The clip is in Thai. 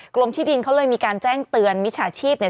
กรมที่ดินเขาเลยมีการแจ้งเตือนมิจฉาชีพเนี่ย